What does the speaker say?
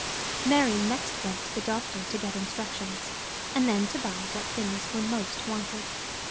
Mary next went to the doctor to get instructions, and then to buy what things were most wanted.